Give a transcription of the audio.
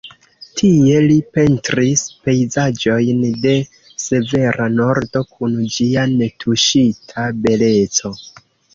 Tie li pentris pejzaĝojn de severa Nordo kun ĝia netuŝita beleco.